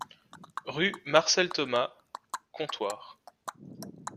Rue Marcel Thomas, Contoire